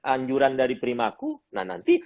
anjuran dari primaku nah nanti